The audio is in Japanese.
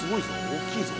大きいぞ。